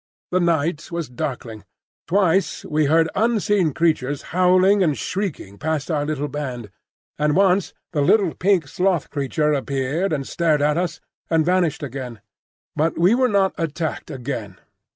The night was darkling. Twice we heard unseen creatures howling and shrieking past our little band, and once the little pink sloth creature appeared and stared at us, and vanished again. But we were not attacked again.